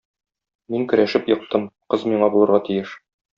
Мин көрәшеп ектым, кыз миңа булырга тиеш.